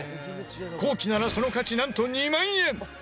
後期ならその価値なんと２万円！